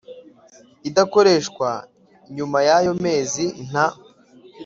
idakoreshwa Nyuma y ayo mezi nta